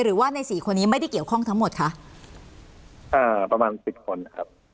หรือว่าในสี่คนนี้ไม่ได้เกี่ยวข้องทั้งหมดคะอ่าประมาณสิบคนนะครับ